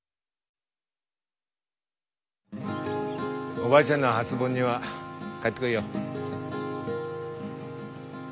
おばあちゃんの初盆には帰ってこいよ。